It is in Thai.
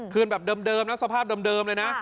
คืนแบบเดิมนะสภาพเดิมเลยนะ